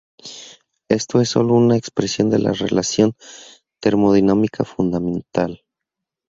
Esto es sólo una expresión de la relación termodinámica fundamental.